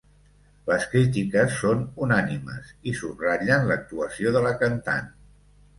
Les crítiques són unànimes i subratllen l'actuació de la cantant.